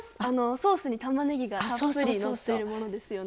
ソースにたまねぎがたっぷりのってるものですよね。